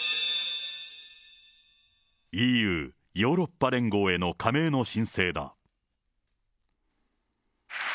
ＥＵ・ヨーロッパ連合への加盟の申請だ。